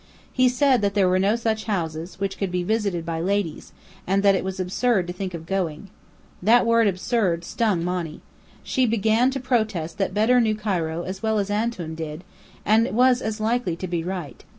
He said that there were no such houses, which could be visited by ladies, and that it was absurd to think of going. That word "absurd" stung Monny. She began to protest that Bedr knew Cairo as well as Antoun did, and was as likely to be right.